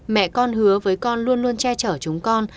mẹ con hứa với con luôn luôn che chở chúng con